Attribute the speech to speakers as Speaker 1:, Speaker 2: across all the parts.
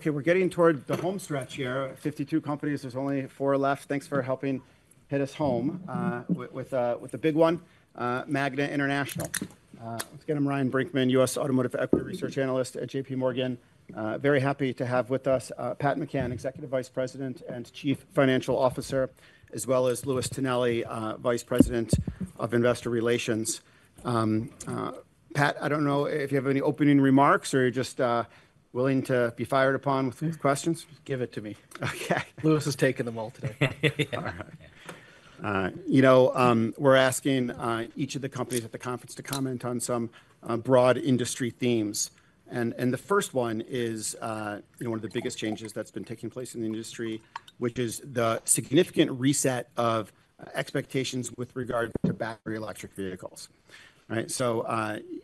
Speaker 1: Okay, we're getting toward the home stretch here. 52 companies, there's only four left. Thanks for helping hit us home with a big one, Magna International. Once again, I'm Ryan Brinkman, U.S. Automotive Equity Research Analyst at J.P. Morgan. Very happy to have with us Pat McCann, Executive Vice President and Chief Financial Officer, as well as Louis Tonelli, Vice President of Investor Relations. Pat, I don't know if you have any opening remarks, or you're just willing to be fired upon with questions?
Speaker 2: Give it to me.
Speaker 1: Okay.
Speaker 2: Louis has taken them all today.
Speaker 3: Yeah.
Speaker 1: All right. You know, we're asking each of the companies at the conference to comment on some broad industry themes. And the first one is, you know, one of the biggest changes that's been taking place in the industry, which is the significant reset of expectations with regard to battery electric vehicles. Right? So,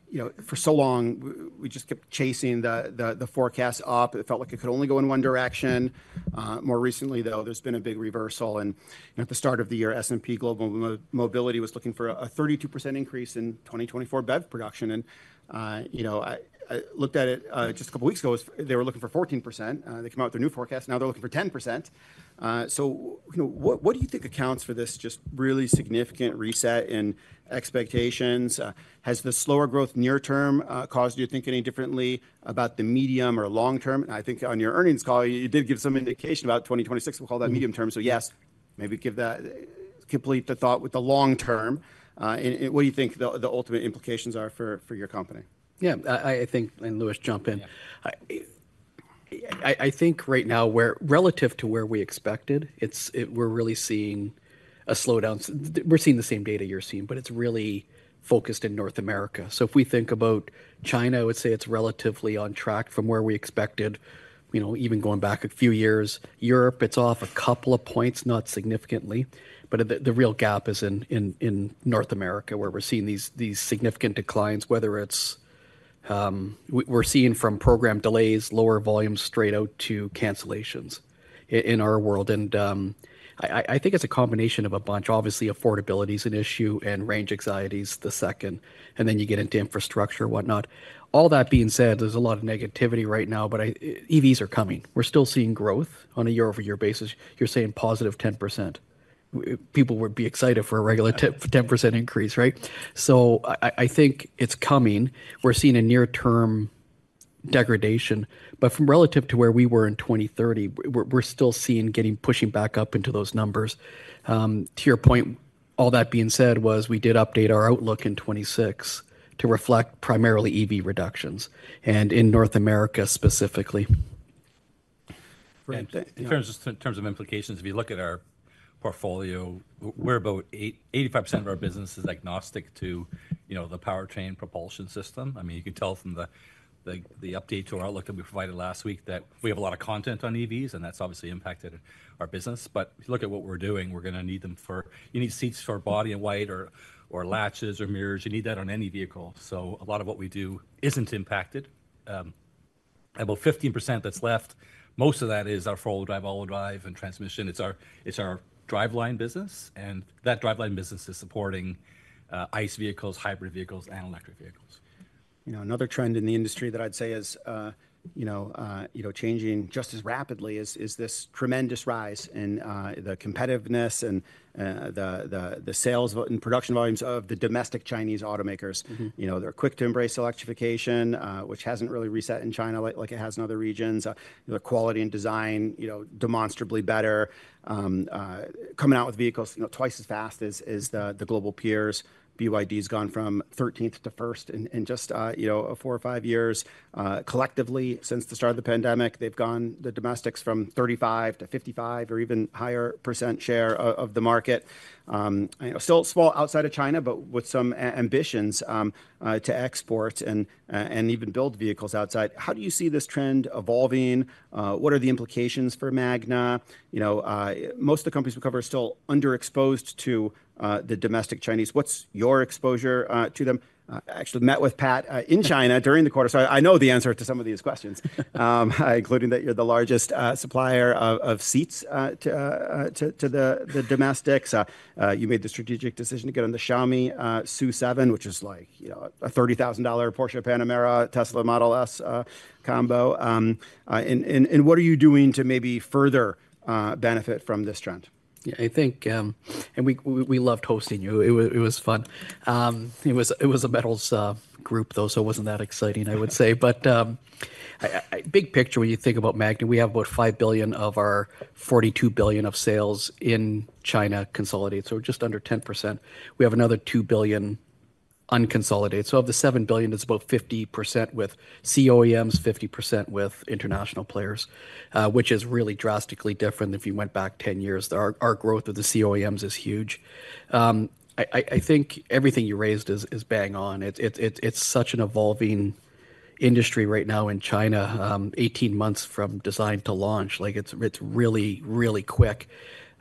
Speaker 1: you know, for so long, we just kept chasing the forecast up. It felt like it could only go in one direction. More recently, though, there's been a big reversal and, at the start of the year, S&P Global Mobility was looking for a 32% increase in 2024 BEV production. And, you know, I looked at it just a couple of weeks ago, they were looking for 14%. They came out with their new forecast, now they're looking for 10%. So, you know, what, what do you think accounts for this just really significant reset in expectations? Has the slower growth near term caused you to think any differently about the medium or long term? I think on your earnings call, you did give some indication about 2026. We'll call that medium term. So yes, maybe give that- complete the thought with the long term. And, and what do you think the, the ultimate implications are for, for your company?
Speaker 2: Yeah. I think, and Louis, jump in.
Speaker 3: Yeah.
Speaker 2: I think right now, relative to where we expected, we're really seeing a slowdown. We're seeing the same data you're seeing, but it's really focused in North America. So if we think about China, I would say it's relatively on track from where we expected, you know, even going back a few years. Europe, it's off a couple of points, not significantly, but the real gap is in North America, where we're seeing these significant declines, whether it's program delays, lower volumes, straight out to cancellations in our world. And I think it's a combination of a bunch. Obviously, affordability is an issue, and range anxiety is the second, and then you get into infrastructure, whatnot. All that being said, there's a lot of negativity right now, but EVs are coming. We're still seeing growth on a year-over-year basis. You're saying positive 10%. People would be excited for a regular ten percent increase, right? So I think it's coming. We're seeing a near-term degradation, but from relative to where we were in 2023, we're still seeing getting pushing back up into those numbers. To your point, all that being said, as we did update our outlook in 2026 to reflect primarily EV reductions, and in North America, specifically.
Speaker 3: In terms of implications, if you look at our portfolio, we're about 85% of our business is agnostic to, you know, the powertrain propulsion system. I mean, you can tell from the update to our outlook that we provided last week, that we have a lot of content on EVs, and that's obviously impacted our business. But if you look at what we're doing, we're gonna need them for. You need seats for body-in-white or latches or mirrors. You need that on any vehicle. So a lot of what we do isn't impacted. About 15% that's left, most of that is our four-wheel drive, all-wheel drive, and transmission. It's our driveline business, and that driveline business is supporting ICE vehicles, hybrid vehicles, and electric vehicles.
Speaker 1: You know, another trend in the industry that I'd say is, you know, you know, changing just as rapidly is this tremendous rise in the competitiveness and the sales and production volumes of the domestic Chinese automakers.
Speaker 2: Mm-hmm.
Speaker 1: You know, they're quick to embrace electrification, which hasn't really reset in China like, like it has in other regions. Their quality and design, you know, demonstrably better, coming out with vehicles, you know, twice as fast as the global peers. BYD's gone from 13th to 1st in just, you know, 4 years or 5 years. Collectively, since the start of the pandemic, they've gone, the domestics, from 35%-55% or even higher share of the market. You know, still small outside of China, but with some ambitions to export and even build vehicles outside. How do you see this trend evolving? What are the implications for Magna? You know, most of the companies we cover are still underexposed to the domestic Chinese. What's your exposure to them? I actually met with Pat in China during the quarter, so I know the answer to some of these questions, including that you're the largest supplier of seats to the domestics. You made the strategic decision to get on the Xiaomi SU7, which is like, you know, a $30,000 Porsche Panamera, Tesla Model S combo. And what are you doing to maybe further benefit from this trend?
Speaker 2: Yeah, I think—and we loved hosting you. It was fun. It was a metals group, though, so it wasn't that exciting, I would say. But, big picture, when you think about Magna, we have about $5 billion of our $42 billion of sales in China consolidated, so just under 10%. We have another $2 billion unconsolidated. So of the $7 billion, it's about 50% with Chinese OEMs, 50% with international players, which is really drastically different if you went back 10 years. Our growth of the Chinese OEMs is huge. I think everything you raised is bang on. It's such an evolving industry right now in China, 18 months from design to launch. Like, it's really, really quick.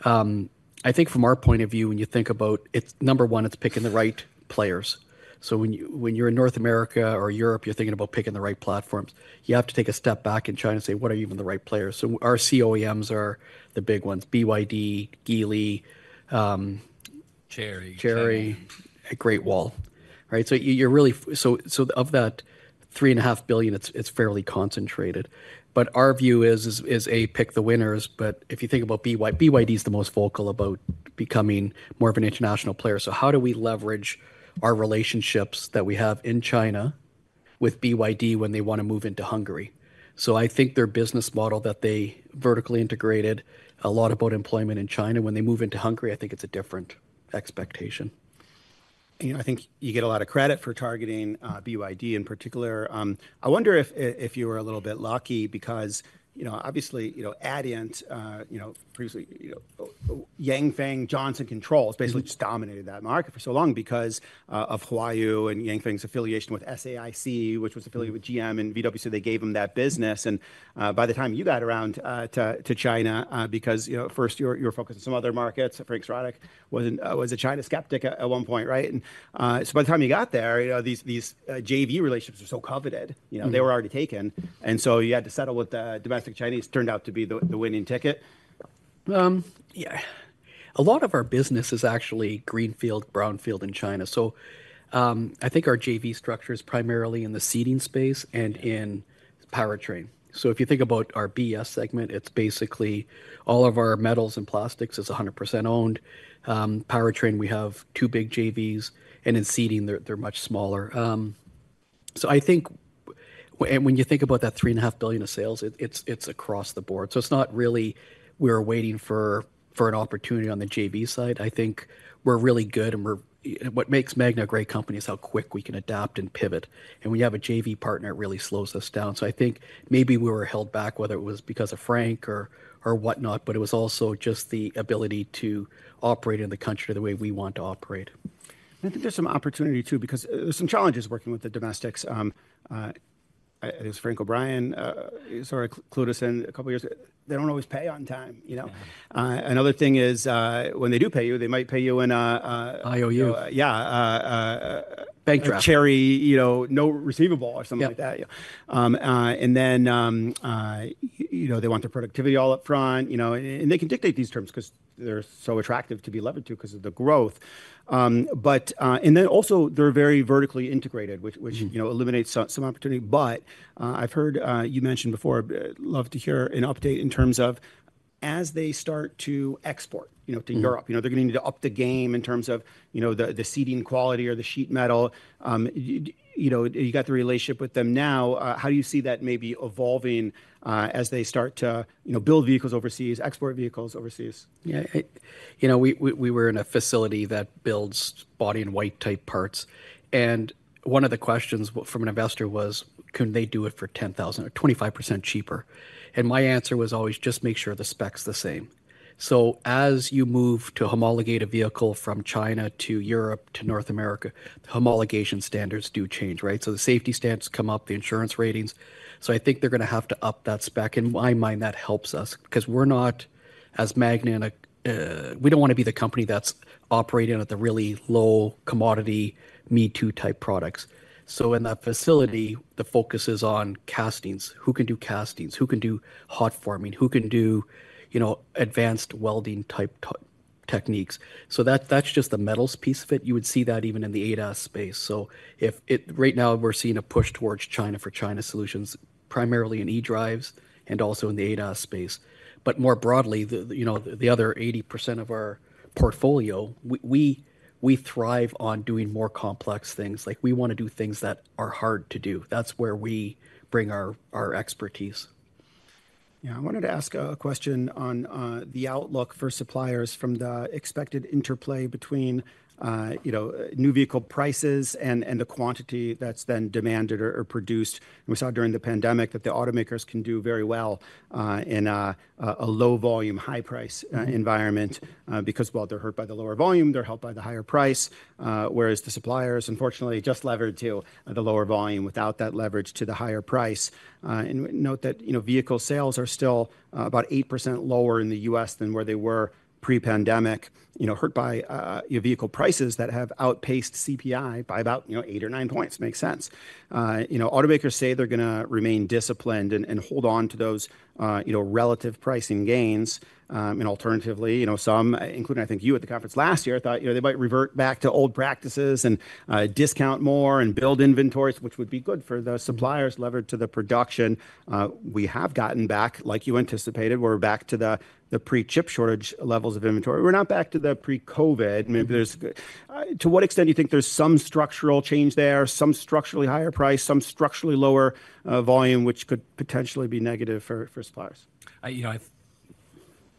Speaker 2: I think from our point of view, when you think about, It's, number one, it's picking the right players. So when you, when you're in North America or Europe, you're thinking about picking the right platforms. You have to take a step back in China and say: "What are even the right players?" So our C-OEMs are the big ones, BYD, Geely.
Speaker 1: Chery
Speaker 2: Chery, Great Wall. Right, so you're really, so, of that $3.5 billion, it's fairly concentrated. But our view is to pick the winners. But if you think about BYD, BYD is the most vocal about becoming more of an international player. So how do we leverage our relationships that we have in China with BYD when they want to move into Hungary? So I think their business model, that they vertically integrated a lot about employment in China. When they move into Hungary, I think it's a different expectation.
Speaker 1: You know, I think you get a lot of credit for targeting BYD in particular. I wonder if you were a little bit lucky because, you know, obviously, you know, Adient, previously, you know, Yanfeng Johnson Controls basically just dominated that market for so long because of Huayu and Yanfeng's affiliation with SAIC, which was affiliated with GM and VW, so they gave them that business. And by the time you got around to China, because, you know, first you were focused on some other markets. Frank Stronach was a China skeptic at one point, right? And so by the time you got there, you know, these JV relationships were so coveted, you know, they were already taken, and so you had to settle with the domestic Chinese, turned out to be the winning ticket.
Speaker 2: Yeah. A lot of our business is actually greenfield, brownfield in China. So, I think our JV structure is primarily in the seating space and in powertrain. So if you think about our BES segment, it's basically all of our metals and plastics is 100% owned. Powertrain, we have two big JVs, and in seating they're much smaller. So I think and when you think about that $3.5 billion of sales, it's across the board. So it's not really we're waiting for an opportunity on the JV side. I think we're really good, and we're—What makes Magna a great company is how quick we can adapt and pivot, and when we have a JV partner, it really slows us down. So I think maybe we were held back, whether it was because of Frank or whatnot, but it was also just the ability to operate in the country the way we want to operate.
Speaker 1: I think there's some opportunity too, because there's some challenges working with the domestics. I think it was Frank O'Brien, sort of clued us in a couple of years. They don't always pay on time, you know?
Speaker 2: Mm-hmm.
Speaker 1: Another thing is, when they do pay you, they might pay you in
Speaker 2: IOU.
Speaker 1: Yeah,
Speaker 2: Bank draft
Speaker 1: Chery, you know, no receivable or something like that.
Speaker 2: Yeah.
Speaker 1: And then, you know, they want their productivity all up front, you know, and they can dictate these terms 'cause they're so attractive to be levered to because of the growth. But—And then also they're very vertically integrated, which, which, you know, eliminates some opportunity. But I've heard you mention before. Love to hear an update in terms of as they start to export, you know, to Europe you know, they're gonna need to up the game in terms of, you know, the, the seating quality or the sheet metal. You know, you got the relationship with them now. How do you see that maybe evolving as they start to, you know, build vehicles overseas, export vehicles overseas?
Speaker 2: Yeah. You know, we were in a facility that builds Body-in-White type parts, and one of the questions from an investor was: Can they do it for $10,000 or 25% cheaper? And my answer was always, "Just make sure the spec's the same." So as you move to homologate a vehicle from China to Europe to North America, the homologation standards do change, right? So the safety standards come up, the insurance ratings. So I think they're gonna have to up that spec. In my mind, that helps us because we're not as Magna in a—We don't want to be the company that's operating at the really low commodity, me-too type products. So in that facility, the focus is on castings. Who can do castings? Who can do hot forming? Who can do, you know, advanced welding-type techniques? So that, that's just the metals piece of it. You would see that even in the ADAS space. So if it right now, we're seeing a push towards China for China solutions, primarily in e-drives and also in the ADAS space. But more broadly, the, you know, the other 80% of our portfolio, we thrive on doing more complex things. Like, we wanna do things that are hard to do. That's where we bring our expertise.
Speaker 1: Yeah. I wanted to ask a question on the outlook for suppliers from the expected interplay between, you know, new vehicle prices and the quantity that's then demanded or produced. And we saw during the pandemic that the automakers can do very well in a low-volume, high-price environment because while they're hurt by the lower volume, they're helped by the higher price, whereas the suppliers, unfortunately, just levered to the lower volume without that leverage to the higher price. And note that, you know, vehicle sales are still about 8% lower in the U.S. than where they were pre-pandemic, you know, hurt by vehicle prices that have outpaced CPI by about, you know, 8 or 9 points. Makes sense. You know, automakers say they're gonna remain disciplined and hold on to those, you know, relative pricing gains. And alternatively, you know, some, including I think you at the conference last year, thought, you know, they might revert back to old practices and discount more and build inventories, which would be good for the suppliers levered to the production. We have gotten back, like you anticipated, we're back to the pre-chip shortage levels of inventory. We're not back to the pre-COVID.
Speaker 2: Mm-hmm.
Speaker 1: Maybe there's... to what extent do you think there's some structural change there, some structurally higher price, some structurally lower volume, which could potentially be negative for, for suppliers?
Speaker 2: You know,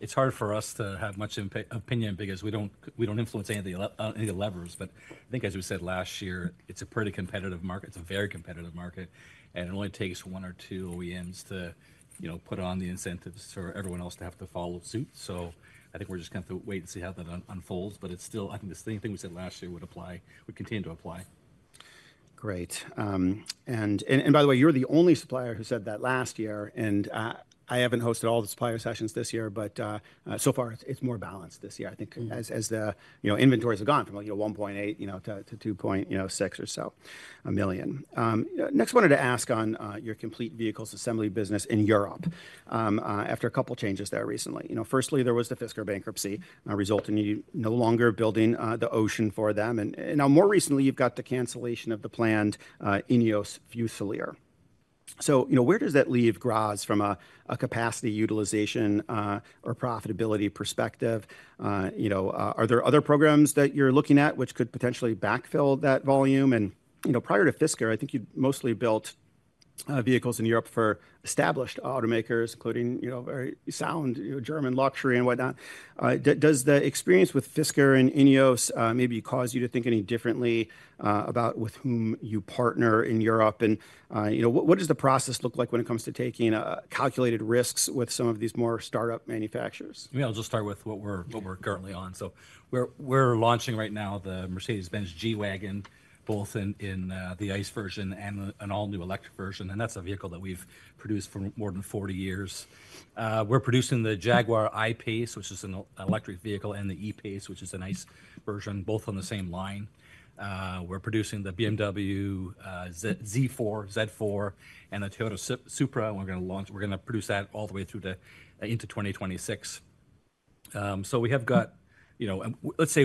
Speaker 2: it's hard for us to have much opinion because we don't, we don't influence any of the levers. But I think, as we said last year, it's a pretty competitive market. It's a very competitive market, and it only takes one or two OEMs to, you know, put on the incentives for everyone else to have to follow suit. So I think we're just going to have to wait and see how that unfolds, but it's still—I think the same thing we said last year would apply, would continue to apply.
Speaker 1: Great. And by the way, you're the only supplier who said that last year, and I haven't hosted all the supplier sessions this year, but so far, it's more balanced this year.
Speaker 2: Mm-hmm.
Speaker 1: I think as the, you know, inventories have gone from like, you know, 1.8, you know, to 2.6 or so million. Next, wanted to ask on your complete vehicles assembly business in Europe after a couple of changes there recently. You know, firstly, there was the Fisker bankruptcy resulting in you no longer building the Ocean for them. And now, more recently, you've got the cancellation of the planned INEOS Fusilier. So, you know, where does that leave Graz from a capacity utilization or profitability perspective? You know, are there other programs that you're looking at which could potentially backfill that volume? And, you know, prior to Fisker, I think you mostly built vehicles in Europe for established automakers, including, you know, very sound German luxury and whatnot. Does the experience with Fisker and INEOS maybe cause you to think any differently about with whom you partner in Europe? And, you know, what does the process look like when it comes to taking calculated risks with some of these more start-up manufacturers?
Speaker 3: Yeah, I'll just start with what we're, what we're currently on. So we're launching right now the Mercedes-Benz G-Wagen, both in the ICE version and an all-new electric version, and that's a vehicle that we've produced for more than 40 years. We're producing the Jaguar I-PACE, which is an electric vehicle, and the E-PACE, which is an ICE version, both on the same line. We're producing the BMW Z4 and the Toyota Supra, and we're going to produce that all the way through to into 2026. So we have got, you know... Let's say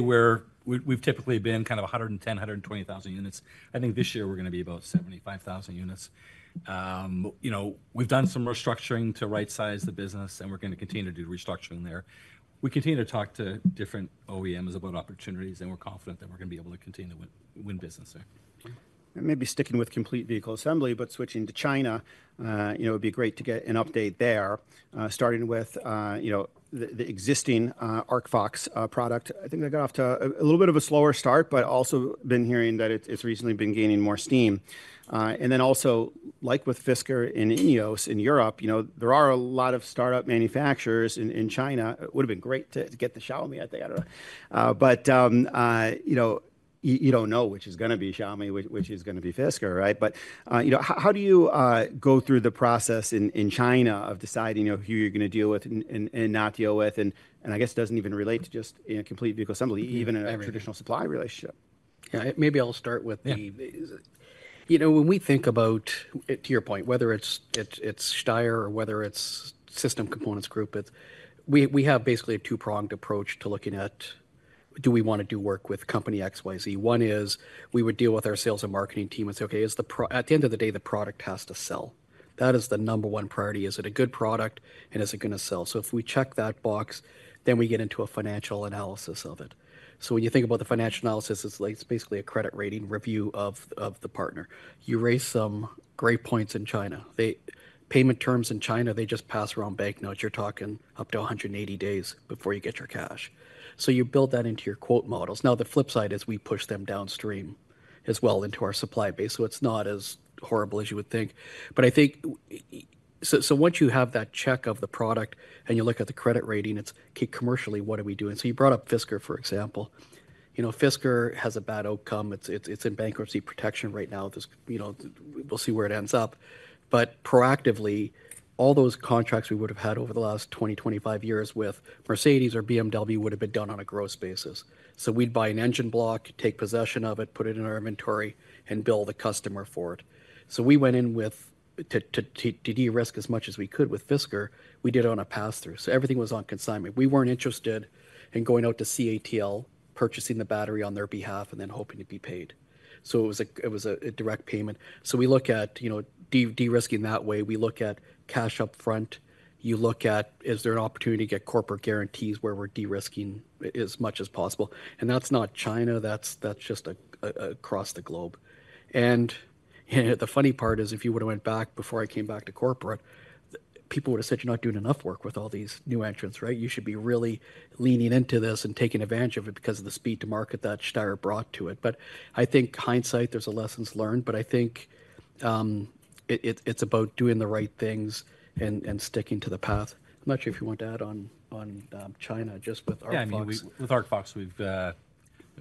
Speaker 3: we've typically been kind of 110, 120 thousand units. I think this year we're going to be about 75,000 units. You know, we've done some restructuring to right-size the business, and we're going to continue to do restructuring there. We continue to talk to different OEMs about opportunities, and we're confident that we're going to be able to continue to win, win business there.
Speaker 1: And maybe sticking with complete vehicle assembly, but switching to China, you know, it'd be great to get an update there, starting with, you know, the existing Arcfox product. I think they got off to a little bit of a slower start, but also been hearing that it's recently been gaining more steam. And then also, like with Fisker and INEOS in Europe, you know, there are a lot of start-up manufacturers in China. It would have been great to get the Xiaomi, I think, I don't know. But, you know, you don't know which is going to be Xiaomi, which is going to be Fisker, right? But, you know, how do you go through the process in China of deciding who you're going to deal with and not deal with? And I guess it doesn't even relate to just, you know, complete vehicle assembly even a traditional supply relationship.
Speaker 2: Yeah, maybe I'll start with the—You know, when we think about, to your point, whether it's Steyr or whether it's System Components Group, it's, we have basically a two-pronged approach to looking at do we want to do work with company XYZ. One is, we would deal with our sales and marketing team and say, "Okay, at the end of the day, the product has to sell." That is the number one priority. Is it a good product, and is it going to sell? So if we check that box, then we get into a financial analysis of it. So when you think about the financial analysis, it's like, it's basically a credit rating review of the partner. You raised some great points in China. Payment terms in China, they just pass around banknotes. You're talking up to 180 days before you get your cash. So you build that into your quote models. Now, the flip side is we push them downstream as well into our supply base, so it's not as horrible as you would think. But I think, so once you have that check of the product and you look at the credit rating, it's, okay, commercially, what are we doing? So you brought up Fisker, for example. You know, Fisker has a bad outcome. It's in bankruptcy protection right now. This, you know... We'll see where it ends up. But proactively, all those contracts we would have had over the last 20 years-25 years with Mercedes or BMW would have been done on a gross basis. So we'd buy an engine block, take possession of it, put it in our inventory, and bill the customer for it. So we went in with, to de-risk as much as we could with Fisker, we did it on a pass-through, so everything was on consignment. We weren't interested in going out to CATL, purchasing the battery on their behalf, and then hoping to be paid. So it was a direct payment. So we look at, you know, de-risking that way. We look at cash up front. You look at, is there an opportunity to get corporate guarantees where we're de-risking as much as possible? And that's not China, that's just across the globe. And the funny part is, if you would've went back before I came back to corporate, people would've said, "You're not doing enough work with all these new entrants," right? "You should be really leaning into this and taking advantage of it because of the speed to market that Steyr brought to it." But I think in hindsight, there are lessons learned, but I think it, it's about doing the right things and, and sticking to the path. I'm not sure if you want to add on, on, China, just with ArcFox.
Speaker 3: Yeah, I mean, with Arcfox,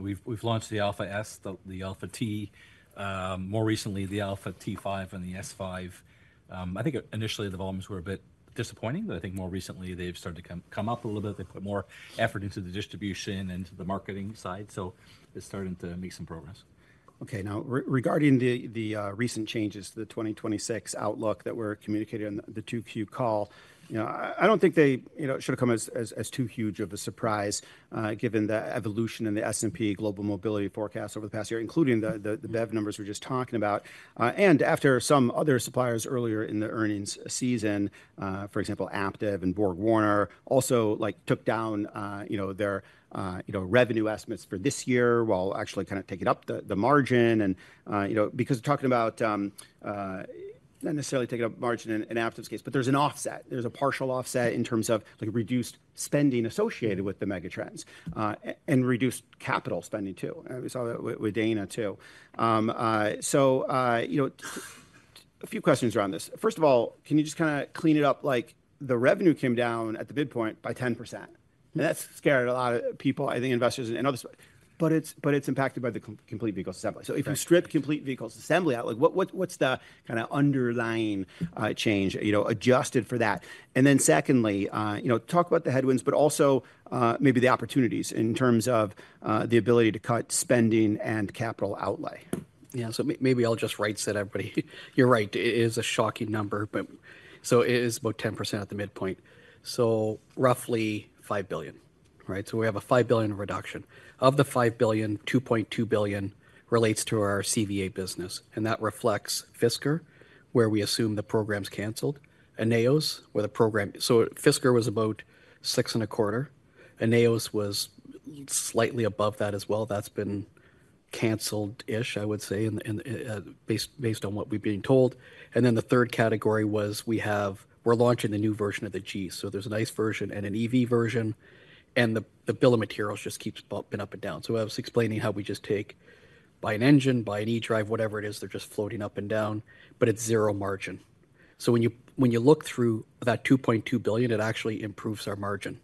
Speaker 3: we've launched the Alpha S, the Alpha T, more recently, the Alpha T5 and the S5. I think initially the volumes were a bit disappointing, but I think more recently they've started to come up a little bit. They've put more effort into the distribution and to the marketing side, so it's starting to make some progress.
Speaker 1: Okay, now regarding the recent changes to the 2026 outlook that were communicated on the Q2 call, you know, I don't think they, you know, should have come as too huge of a surprise, given the evolution in the S&P Global Mobility forecast over the past year, including the EV numbers we're just talking about. And after some other suppliers earlier in the earnings season, for example, Aptiv and BorgWarner, also like took down, you know, their, you know, revenue estimates for this year, while actually kind of taking up the margin. And, you know, because talking about not necessarily taking up margin in Aptiv's case, but there's an offset, there's a partial offset in terms of like reduced spending associated with the megatrends and reduced capital spending too. And we saw that with Dana too. You know, a few questions around this. First of all, can you just kind of clean it up? Like, the revenue came down at the midpoint by 10%, and that's scared a lot of people, I think investors and others. But it's impacted by the complete vehicle assembly.
Speaker 3: Right.
Speaker 1: If you strip complete vehicle assembly out, like what's the kind of underlying change, you know, adjusted for that? And then secondly, you know, talk about the headwinds, but also maybe the opportunities in terms of the ability to cut spending and capital outlay.
Speaker 2: Yeah, so maybe I'll just reset everybody. You're right, it is a shocking number, but, so it is about 10% at the midpoint, so roughly $5 billion. Right, so we have a $5 billion reduction. Of the $5 billion, $2.2 billion relates to our CVA business, and that reflects Fisker, where we assume the program's canceled, INEOS, where the program—So Fisker was about 6.25, INEOS was slightly above that as well. That's been canceled-ish, I would say, based on what we've been told. And then the third category was, we have, we're launching the new version of the G. So there's an ICE version and an EV version, and the bill of materials just keeps been up and down. So I was explaining how we just take by an engine, by an eDrive, whatever it is, they're just floating up and down, but it's zero margin. So when you look through that $2.2 billion, it actually improves our margin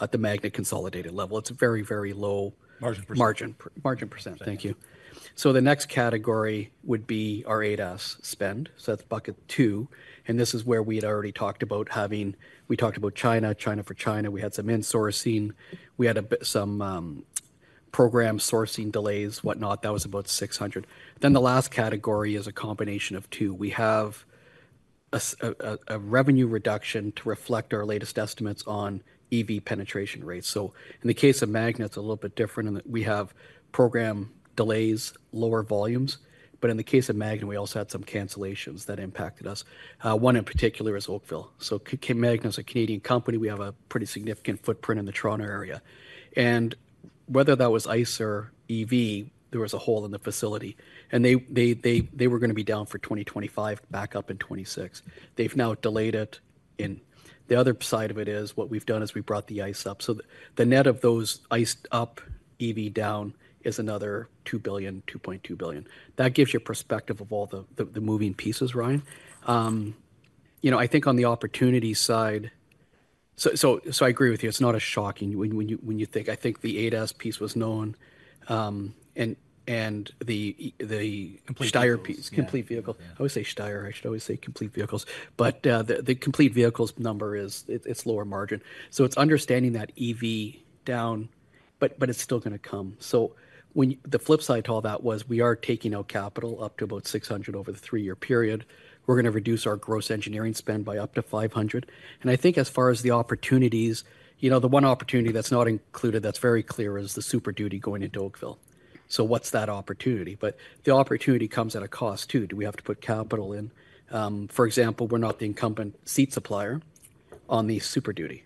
Speaker 2: at the Magna consolidated level. It's a very, very low-
Speaker 1: Margin percent.
Speaker 2: Margin percent.
Speaker 1: Thank you.
Speaker 2: Thank you. So the next category would be our ADAS spend, so that's bucket two. This is where we had already talked about having. We talked about China, China for China. We had some in-sourcing, we had a bit, some program sourcing delays, whatnot. That was about $600. The last category is a combination of two. We have a revenue reduction to reflect our latest estimates on EV penetration rates. So in the case of Magna, it's a little bit different in that we have program delays, lower volumes, but in the case of Magna, we also had some cancellations that impacted us. One in particular is Oakville. So Magna is a Canadian company, we have a pretty significant footprint in the Toronto area. And whether that was ICE or EV, there was a hole in the facility, and they were gonna be down for 2025, back up in 2026. They've now delayed it, and the other side of it is, what we've done is we've brought the ICE up. So the net of those ICE up, EV down, is another $2 billion, $2.2 billion. That gives you perspective of all the moving pieces, Ryan. You know, I think on the opportunity side. So I agree with you, it's not as shocking when you think. I think the ADAS piece was known, and the e- the-
Speaker 1: Complete vehicles...
Speaker 2: Steyr piece. Complete vehicle.
Speaker 1: Yeah.
Speaker 2: I always say Steyr, I should always say complete vehicles. But the complete vehicles number is, it's lower margin. So it's understanding that EV down, but it's still gonna come. So when the flip side to all that was, we are taking out capital up to about $600 over the three-year period. We're gonna reduce our gross engineering spend by up to $500. And I think as far as the opportunities, you know, the one opportunity that's not included that's very clear is the Super Duty going into Oakville. So what's that opportunity? But the opportunity comes at a cost, too. Do we have to put capital in? For example, we're not the incumbent seat supplier on the Super Duty,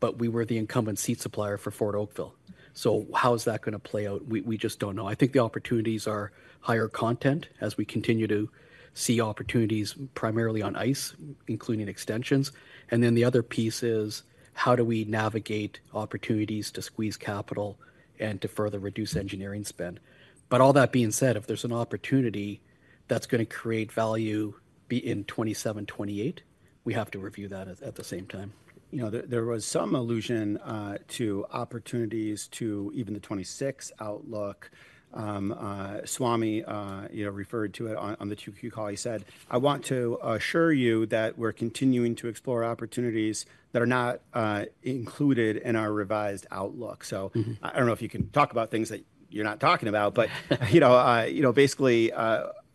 Speaker 2: but we were the incumbent seat supplier for Ford Oakville. So how is that gonna play out? We just don't know. I think the opportunities are higher content as we continue to see opportunities primarily on ICE, including extensions. And then the other piece is, how do we navigate opportunities to squeeze capital and to further reduce engineering spend? But all that being said, if there's an opportunity that's gonna create value, be in 2027, 2028, we have to review that at, at the same time.
Speaker 1: You know, there was some allusion to opportunities to even the 2026 outlook. Swamy, you know, referred to it on the 2Q call. He said, "I want to assure you that we're continuing to explore opportunities that are not included in our revised outlook. So I don't know if you can talk about things that you're not talking about—but, you know, you know,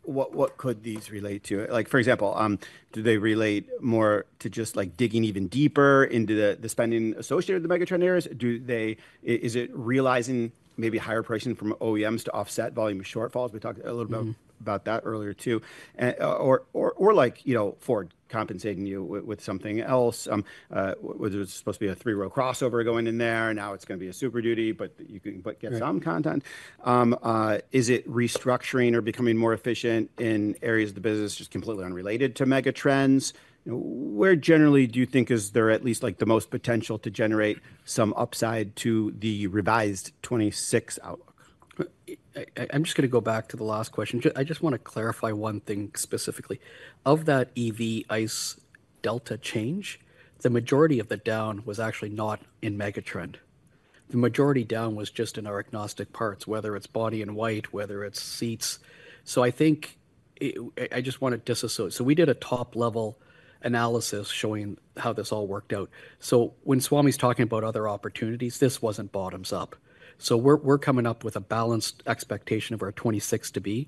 Speaker 1: basically, what could these relate to? Like, for example, do they relate more to just, like, digging even deeper into the spending associated with the megatrend areas? Do they—is it realizing maybe higher pricing from OEMs to offset volume shortfalls? We talked a little bit about—
Speaker 2: Mm-hmm...
Speaker 1: that earlier, too. And like, you know, Ford compensating you with something else. Was it supposed to be a three-row crossover going in there, and now it's gonna be a Super Duty, but you can but get some content.
Speaker 2: Right.
Speaker 1: Is it restructuring or becoming more efficient in areas of the business just completely unrelated to Megatrends? You know, where generally do you think is there at least, like, the most potential to generate some upside to the revised 2026 outlook?
Speaker 2: I'm just gonna go back to the last question. I just wanna clarify one thing specifically. Of that EV/ICE delta change, the majority of the down was actually not in megatrend. The majority down was just in our agnostic parts, whether it's body and white, whether it's seats. So I think I just want to disassociate. So we did a top-level analysis showing how this all worked out. So when Swamy's talking about other opportunities, this wasn't bottoms up. So we're coming up with a balanced expectation of our 2026 to be.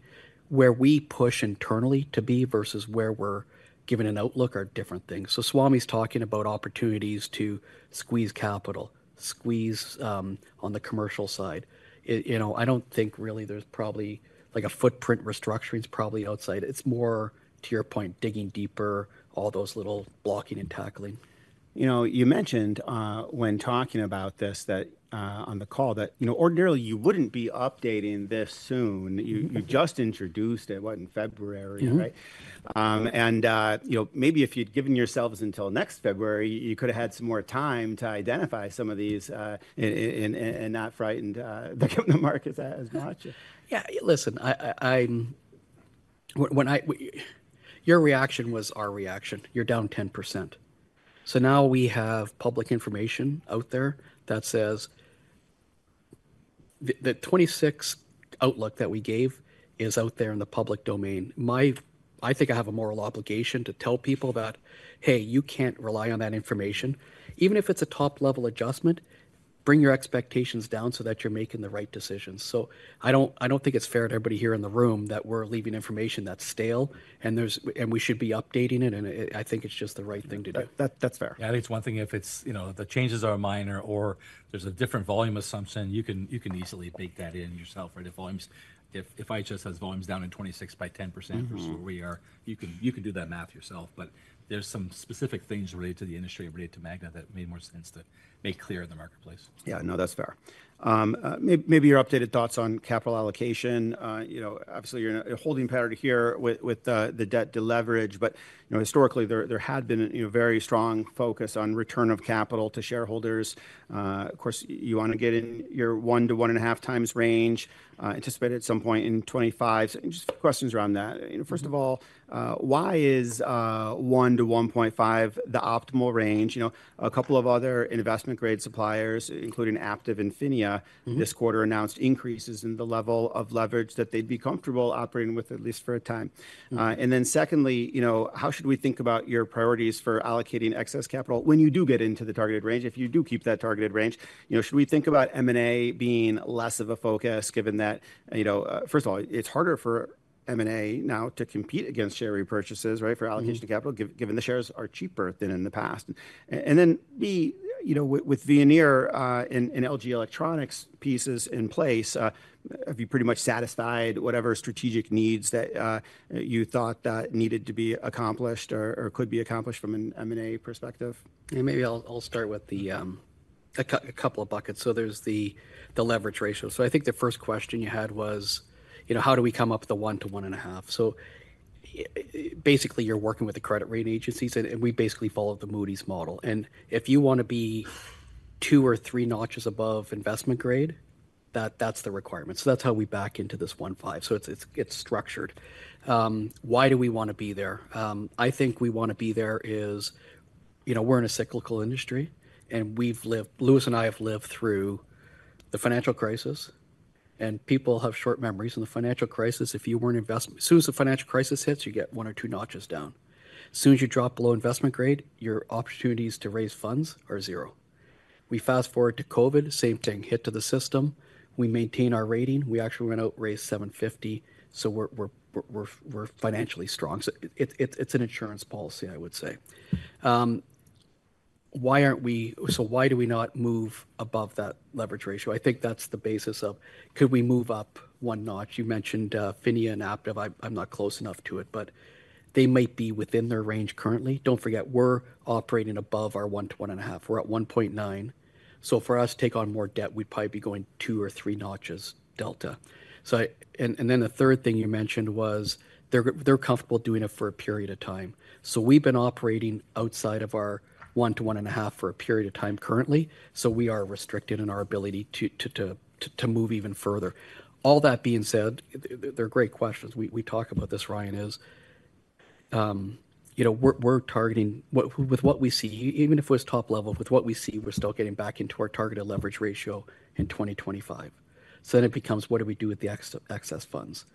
Speaker 2: Where we push internally to be versus where we're given an outlook are different things. So Swamy's talking about opportunities to squeeze capital, squeeze on the commercial side. It, you know, I don't think really there's probably, like, a footprint restructuring is probably outside. It's more, to your point, digging deeper, all those little blocking and tackling.
Speaker 1: You know, you mentioned, when talking about this, that, on the call, that, you know, ordinarily you wouldn't be updating this soon. You, you've just introduced it, what, in February, right?
Speaker 2: Mm-hmm.
Speaker 1: You know, maybe if you'd given yourselves until next February, you could've had some more time to identify some of these, and not frightened the markets as much.
Speaker 2: Yeah, listen, I'm—When your reaction was our reaction. You're down 10%. So now we have public information out there that says, the 2026 outlook that we gave is out there in the public domain. I think I have a moral obligation to tell people that, "Hey, you can't rely on that information." Even if it's a top-level adjustment, bring your expectations down so that you're making the right decisions. So I don't think it's fair to everybody here in the room that we're leaving information that's stale, and there's and we should be updating it, and I think it's just the right thing to do.
Speaker 1: That's fair.
Speaker 2: Yeah, I think it's one thing if it's, you know, the changes are minor or there's a different volume assumption, you can, you can easily bake that in yourself, right? If volumes—if IHS has volumes down in 2026 by 10%-
Speaker 1: Mm-hmm
Speaker 2: —versus where we are, you can, you can do that math yourself. But there's some specific things related to the industry, related to Magna, that made more sense to make clear in the marketplace.
Speaker 1: Yeah. No, that's fair. Maybe your updated thoughts on capital allocation. You know, obviously, you're in a holding pattern here with the debt to leverage, but you know, historically, there had been a very strong focus on return of capital to shareholders. Of course, you want to get in your 1-1.5 times range, anticipated at some point in 2025. So just a few questions around that. You know, first of all, why is 1-1.5 the optimal range? You know, a couple of other investment-grade suppliers, including Aptiv and PHINIA-
Speaker 2: Mm-hmm...
Speaker 1: this quarter, announced increases in the level of leverage that they'd be comfortable operating with, at least for a time.
Speaker 2: Mm-hmm.
Speaker 1: And then secondly, you know, how should we think about your priorities for allocating excess capital when you do get into the targeted range, if you do keep that targeted range? You know, should we think about M&A being less of a focus, given that, you know, first of all, it's harder for M&A now to compete against share repurchases, right?
Speaker 2: Mm-hmm.
Speaker 1: For allocation of capital, given the shares are cheaper than in the past. And then, B, you know, with Veoneer and LG Electronics pieces in place, have you pretty much satisfied whatever strategic needs that you thought that needed to be accomplished or could be accomplished from an M&A perspective?
Speaker 2: Yeah, maybe I'll start with a couple of buckets. So there's the leverage ratio. So I think the first question you had was, you know, how do we come up with the 1 to 1.5? So basically, you're working with the credit rating agencies, and we basically follow the Moody's model. And if you want to be 2 or 3 notches above investment grade, that's the requirement. So that's how we back into this 1.5. So it's structured. Why do we want to be there? I think we want to be there is, you know, we're in a cyclical industry, and we've lived, Louis and I have lived through the financial crisis, and people have short memories. In the financial crisis, if you weren't investment grade, as soon as the financial crisis hits, you get 1 or 2 notches down. As soon as you drop below investment grade, your opportunities to raise funds are zero. We fast-forward to COVID, same thing, hit to the system. We maintain our rating. We actually went out, raised $750 million, so we're financially strong. So it's an insurance policy, I would say. So why do we not move above that leverage ratio? I think that's the basis of could we move up one notch. You mentioned PHINIA and Aptiv. I'm not close enough to it, but they might be within their range currently. Don't forget, we're operating above our 1 to 1.5. We're at 1.9, so for us to take on more debt, we'd probably be going two or three notches delta. And then the third thing you mentioned was they're comfortable doing it for a period of time. So we've been operating outside of our 1 to 1.5 for a period of time currently, so we are restricted in our ability to move even further. All that being said, they're great questions. We talked about this, Ryan. You know, we're targeting with what we see, even if it was top level, with what we see, we're still getting back into our targeted leverage ratio in 2025. So then it becomes: what do we do with the excess funds?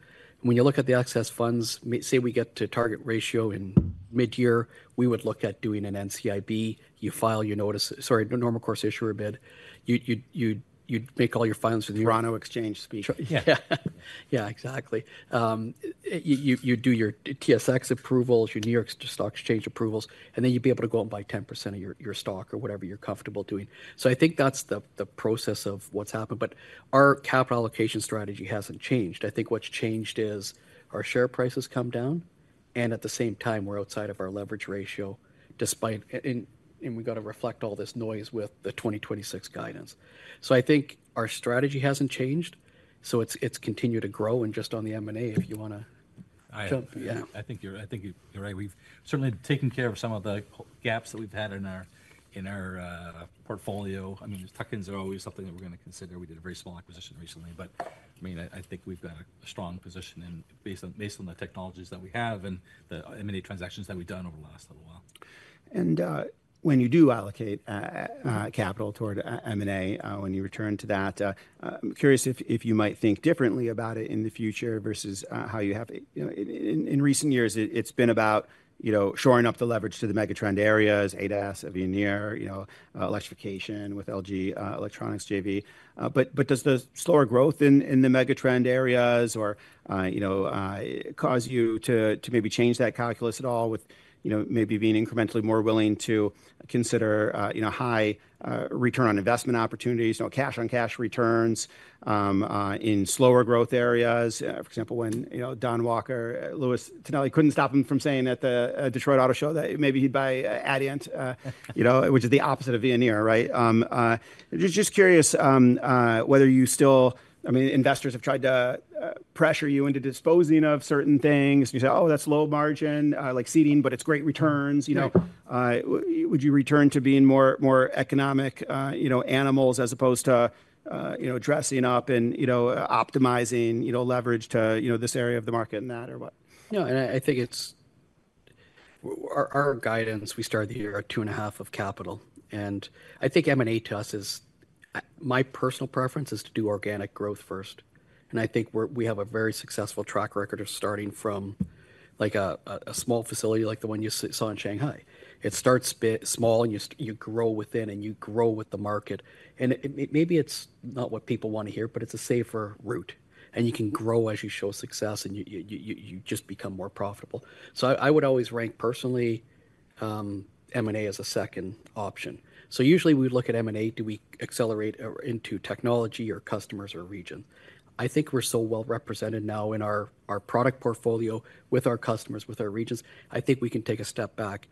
Speaker 2: When you look at the excess funds, maybe say we get to target ratio in mid-year, we would look at doing an NCIB. You file your notice. Sorry, the normal course issuer bid. You'd make all your filings with-
Speaker 1: Toronto Exchange speak.
Speaker 2: Sure. Yeah. Yeah, exactly. You'd do your TSX approvals, your New York Stock Exchange approvals, and then you'd be able to go and buy 10% of your, your stock or whatever you're comfortable doing. So I think that's the process of what's happened, but our capital allocation strategy hasn't changed. I think what's changed is our share price has come down, and at the same time, we're outside of our leverage ratio, despite... And, and we've got to reflect all this noise with the 2026 guidance. So I think our strategy hasn't changed, so it's, it's continued to grow. And just on the M&A, if you want to jump in.
Speaker 3: Yeah, I think you're right. We've certainly taken care of some of the gaps that we've had in our portfolio. I mean, tuck-ins are always something that we're going to consider. We did a very small acquisition recently, but, I mean, I think we've got a strong position and based on the technologies that we have and the M&A transactions that we've done over the last little while.
Speaker 1: When you do allocate capital toward M&A, when you return to that, I'm curious if you might think differently about it in the future versus how you have. You know, in recent years, it's been about, you know, shoring up the leverage to the megatrend areas, ADAS, Veoneer, you know, electrification with LG Electronics JV. But does the slower growth in the megatrend areas or, you know, cause you to maybe change that calculus at all with, you know, maybe being incrementally more willing to consider, you know, high return on investment opportunities, you know, cash-on-cash returns in slower growth areas? For example, when you know, Don Walker, Louis Tonelli couldn't stop him from saying at the Detroit Auto Show that maybe he'd buy Adient, you know, which is the opposite of Veoneer, right? Just curious whether you still—I mean, investors have tried to pressure you into disposing of certain things, and you say, "Oh, that's low margin like seating, but it's great returns," you know.
Speaker 2: Right.
Speaker 1: Would you return to being more, more economic, you know, animals, as opposed to, you know, dressing up and, you know, optimizing, you know, leverage to, you know, this area of the market and that, or what?
Speaker 2: No, and I think it's our guidance. We started the year at $2.5 billion of capital, and I think M&A to us is my personal preference is to do organic growth first and I think we're, we have a very successful track record of starting from, like, a small facility like the one you saw in Shanghai. It starts small, and you grow within, and you grow with the market. And maybe it's not what people wanna hear, but it's a safer route, and you can grow as you show success, and you just become more profitable. So I would always rank, personally, M&A as a second option. So usually, we would look at M&A, do we accelerate into technology or customers or region? I think we're so well-represented now in our product portfolio with our customers, with our regions, I think we can take a step back.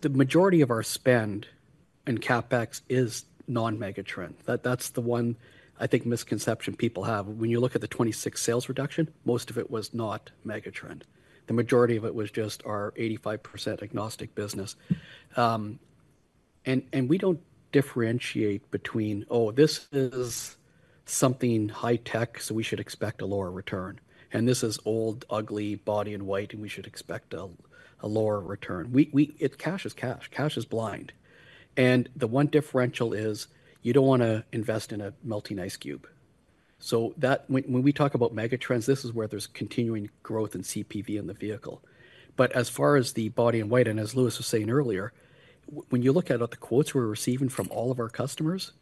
Speaker 2: The majority of our spend and CapEx is non-megatrend. That's the one, I think, misconception people have. When you look at the 26 sales reduction, most of it was not megatrend. The majority of it was just our 85% agnostic business. And we don't differentiate between, "Oh, this is something high tech, so we should expect a lower return, and this is old, ugly, body and white, and we should expect a lower return." Cash is cash. Cash is blind, and the one differential is you don't wanna invest in a melting ice cube. So that. When we talk about megatrends, this is where there's continuing growth in CPV in the vehicle. But as far as the body and white, and as Louis was saying earlier, when you look at the quotes we're receiving from all of our customers,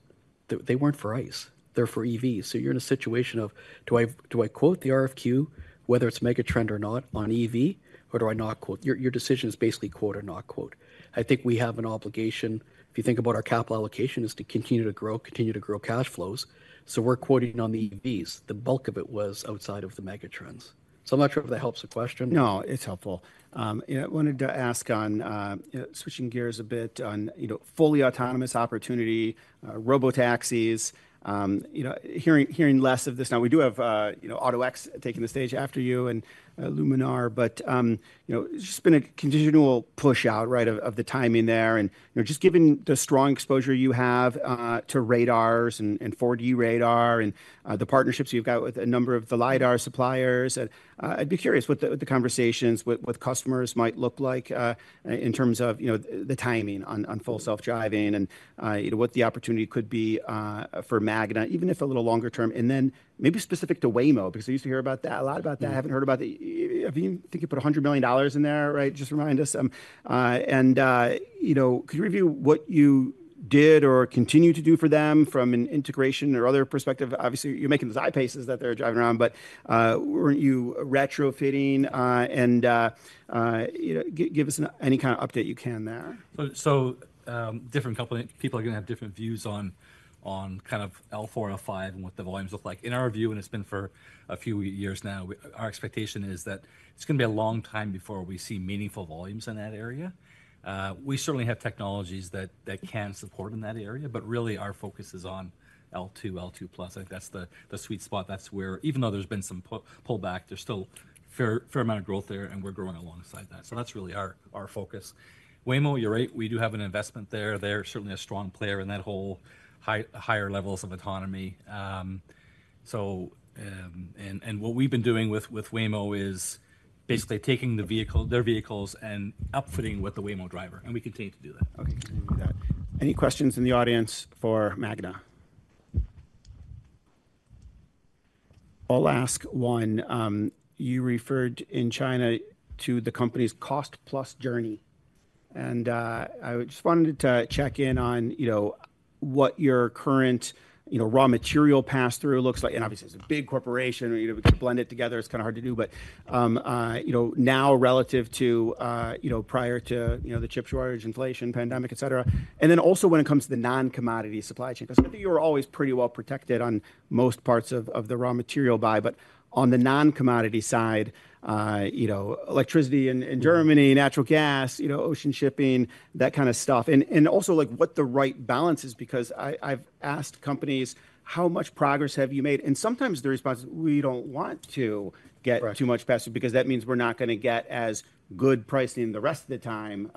Speaker 2: they weren't for ICE, they're for EVs. So you're in a situation of, "Do I, do I quote the RFQ, whether it's megatrend or not, on EV, or do I not quote?" Your, your decision is basically quote or not quote. I think we have an obligation, if you think about our capital allocation, is to continue to grow, continue to grow cash flows, so we're quoting on the EVs. The bulk of it was outside of the megatrends. So I'm not sure if that helps the question.
Speaker 1: No, it's helpful. I wanted to ask on, switching gears a bit on, you know, fully autonomous opportunity, robotaxis, you know, hearing less of this. Now, we do have, you know, AutoX taking the stage after you and, Luminar, but, you know, just been a continual push-out, right, of, of the timing there. And, you know, just given the strong exposure you have, to radars and, and 4D radar, and, the partnerships you've got with a number of the LiDAR suppliers, I'd be curious what the, the conversations with, with customers might look like, in terms of, you know, the timing on, on full self-driving and, you know, what the opportunity could be, for Magna, even if a little longer term. Maybe specific to Waymo, because I used to hear about that, a lot about that.
Speaker 2: Mm-hmm.
Speaker 1: I haven't heard about the... I think you put $100 million in there, right? Just remind us. You know, could you review what you did or continue to do for them from an integration or other perspective? Obviously, you're making the Z4s that they're driving around, but weren't you retrofitting, and you know, give us any kind of update you can there.
Speaker 3: So, different companies, people are gonna have different views on kind of L4 and L5 and what the volumes look like. In our view, and it's been for a few years now, our expectation is that it's gonna be a long time before we see meaningful volumes in that area. We certainly have technologies that can support in that area, but really our focus is on L2, L2 Plus. I think that's the sweet spot. That's where even though there's been some pullback, there's still a fair amount of growth there, and we're growing alongside that. So that's really our focus. Waymo, you're right, we do have an investment there. They're certainly a strong player in that whole higher levels of autonomy. And what we've been doing with Waymo is basically taking their vehicles and upfitting with the Waymo Driver, and we continue to do that.
Speaker 1: Okay, copy that. Any questions in the audience for Magna?
Speaker 4: I'll ask one. You referred in China to the company's cost-plus journey, and I just wanted to check in on, you know, what your current, you know, raw material pass-through looks like. And obviously, it's a big corporation, you know, we could blend it together, it's kind of hard to do, but you know, now relative to, you know, prior to, you know, the chip shortage, inflation, pandemic, etcetera. And then also when it comes to the non-commodity supply chain, 'cause I think you were always pretty well protected on most parts of the raw material buy, but on the non-commodity side, you know, electricity in, in Germany, natural gas, you know, ocean shipping, that kind of stuff. And also, like, what the right balance is, because I, I've asked companies: How much progress have you made? And sometimes the response is, "We don't want to get-
Speaker 2: Right...
Speaker 4: too much faster because that means we're not gonna get as good pricing the rest of the time."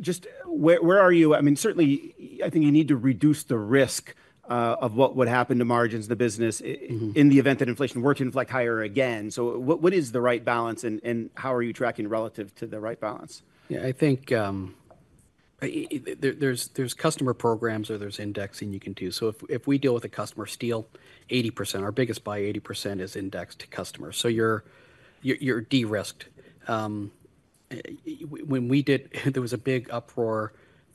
Speaker 4: Just where are you? I mean, certainly, I think you need to reduce the risk of what would happen to margins, the business-
Speaker 2: Mm-hmm...
Speaker 4: in the event that inflation were to inflict higher again. So what is the right balance, and how are you tracking relative to the right balance?
Speaker 2: Yeah, I think, there, there's customer programs or there's indexing you can do. So if we deal with a customer, steel, our biggest buy, 80%, is indexed to customers. So you're de-risked. When we did, there was a big uproar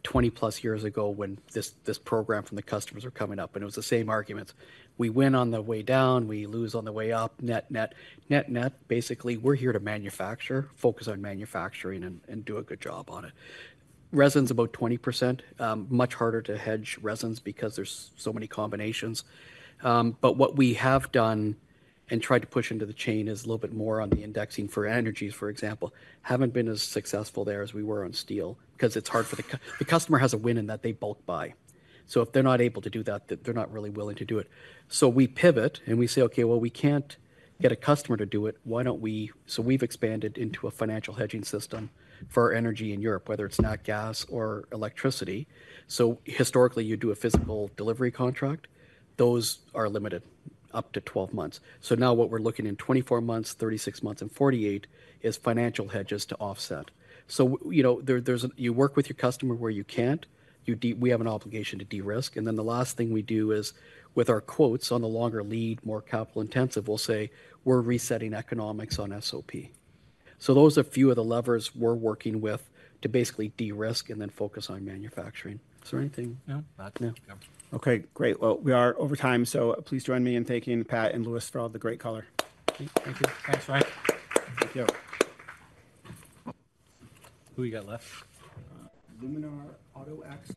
Speaker 2: 20+ years ago when this program from the customers were coming up, and it was the same arguments: We win on the way down, we lose on the way up, net, net. Net, net, basically, we're here to manufacture, focus on manufacturing, and do a good job on it. Resins, about 20%, much harder to hedge resins because there's so many combinations. But what we have done and tried to push into the chain is a little bit more on the indexing for energies, for example, haven't been as successful there as we were on steel 'cause it's hard for the customer has a win in that they bulk buy. So if they're not able to do that, then they're not really willing to do it. So we pivot, and we say: "Okay, well, we can't get a customer to do it. Why don't we..." So we've expanded into a financial hedging system for energy in Europe, whether it's nat gas or electricity. So historically, you do a physical delivery contract, those are limited up to 12 months. So now what we're looking in 24 months, 36 months, and 48 is financial hedges to offset. So you know, there, there's a—You work with your customer where you can't. We have an obligation to de-risk, and then the last thing we do is, with our quotes on the longer lead, more capital intensive, we'll say: "We're resetting economics on SOP." So those are a few of the levers we're working with to basically de-risk and then focus on manufacturing. Is there anything? No?
Speaker 3: Not, no.
Speaker 1: Okay, great. Well, we are over time, so please join me in thanking Pat and Louis for all the great color.
Speaker 3: Thank you. Thanks, Mike.
Speaker 2: Thank you.
Speaker 3: Who we got left?
Speaker 1: Luminar, AutoX.